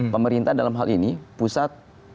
pemerintah dalam hal ini pusat